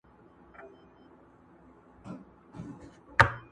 زاړه خبري بيا راژوندي کيږي